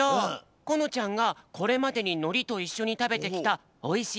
このちゃんがこれまでにのりといっしょにたべてきたおいしい